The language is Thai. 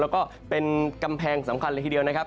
แล้วก็เป็นกำแพงสำคัญเลยทีเดียวนะครับ